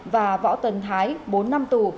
và võ tân thái bốn năm tù